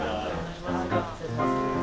失礼します。